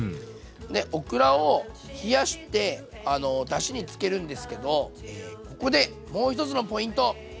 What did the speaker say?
でオクラを冷やしてだしにつけるんですけどここでもう一つのポイント。